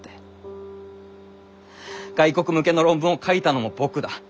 外国向けの論文を書いたのも僕だ。